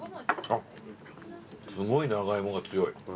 すごい長芋が強い。